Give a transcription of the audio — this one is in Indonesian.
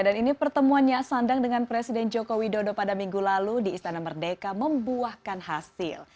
dan ini pertemuan nyak sandang dengan presiden joko widodo pada minggu lalu di istana merdeka membuahkan hasil